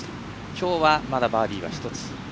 きょうはまだバーディーは１つ。